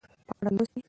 په اړه لوستي